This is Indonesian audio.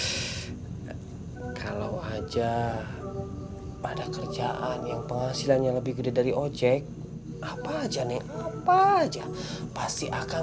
hai kalau aja pada kerjaan yang penghasilannya lebih gede dari ojek apa aja nih apa aja pasti akan